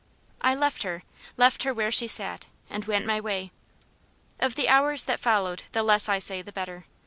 I left her left her where she sat, and went my way. Of the hours that followed the less I say the better.